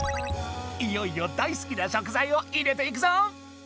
いよいよ大好きな食材を入れていくぞ！